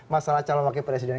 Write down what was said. masalah calon wakil presiden